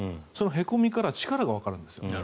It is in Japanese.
へこみから力がわかるんです。